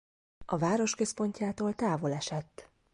A város központjától távol esett.